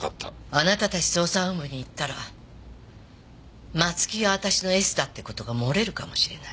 あなたたち捜査本部に言ったら松木が私のエスだって事が漏れるかもしれない。